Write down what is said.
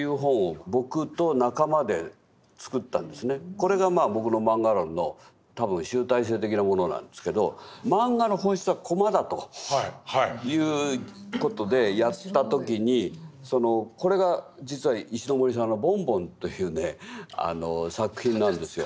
これが僕のマンガ論の多分集大成的なものなんですけどマンガの本質はコマだという事でやった時にこれが実は石森さんの「ボンボン」という作品なんですよ。